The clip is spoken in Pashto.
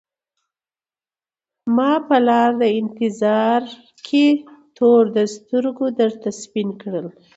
ما په لار د انتظار کي تور د سترګو درته سپین کړل